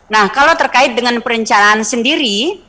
nah kalau terkait dengan perencanaan sendiri